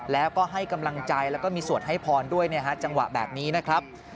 แล้วก็ให้กำลังใจแล้วก็มีสวดให้พรด้วยจังหวะแบบนี้นะครับ